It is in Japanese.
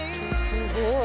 すごい！